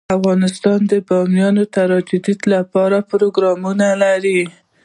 افغانستان د بامیان د ترویج لپاره پروګرامونه لري.